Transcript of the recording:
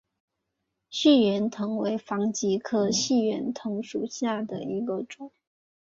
细圆藤为防己科细圆藤属下的一个种。